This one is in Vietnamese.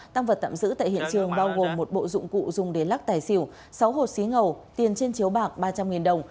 tăng vật tạm giữ tại hiện trường bao gồm một bộ dụng cụ dùng để lắc tài xỉu sáu hột xí ngầu tiền trên chiếu bạc ba trăm linh đồng